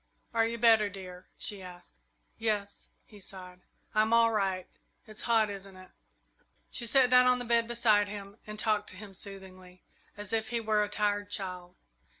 "Are you better, dear?" she asked. "Yes," he sighed; "I'm all right. It's hot, isn't it?" She sat down on the bed beside him and talked to him soothingly, as if he were a tired child.